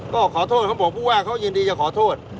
ก็ขอโทษเขาบอกผู้ว่าเขายินดีจะขอโทษ